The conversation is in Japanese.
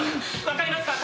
わかりますか？